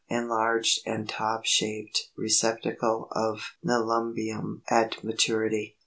Enlarged and top shaped receptacle of Nelumbium, at maturity.